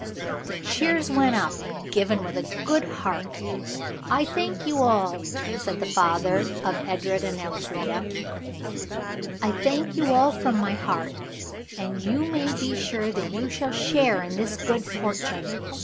The cheers went up, given with a good heart. "I thank you all," said the father of Edred and Elfrida. "I thank you all from my heart. And you may be sure that you shall share in this good fortune.